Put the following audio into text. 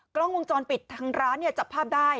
กล้องวงจรปิดทางร้านเนี่ยจับภาพได้